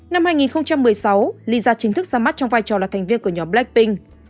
năm hai nghìn một mươi sáu lyza chính thức ra mắt trong vai trò là thành viên của nhóm blackpink